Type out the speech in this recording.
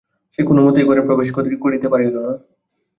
সে কোনোমতেই ঘরে প্রবেশ করিতে পারিল না।